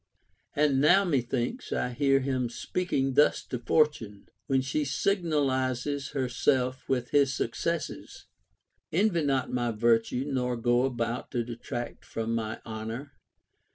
2. And now, methinks, I hear him speaking thus to For tune, when she signalizes herself Avith his successes :— Envy not my virtue, nor go about to detract from my honor.